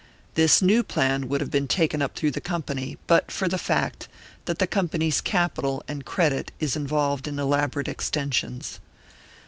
This new plan would have been taken up through the Company, but for the fact that the Company's capital and credit is involved in elaborate extensions.